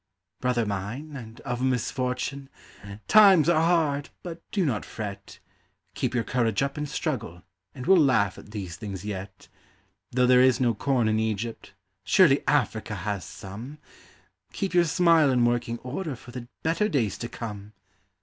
Brother mine, and of misfortune ! times are hard, but do not fret, Keep your courage up and struggle, and we'll laugh at these things yet. Though there is no corn in Egypt, surely Africa has some Keep your smile in working order for the better days to come